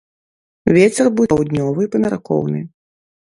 Вецер будзе паўднёвы памяркоўны.